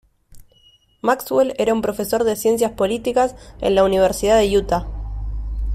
Maxwell era un profesor de ciencias políticas en la Universidad de Utah.